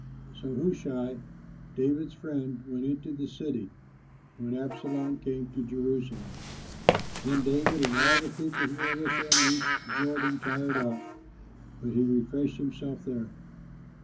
So Hushai, David's friend, went into the city, when Absalom came to Jerusalem. Then David and all the people who were with him, reached the Jordan tired out, but he refreshed himself there.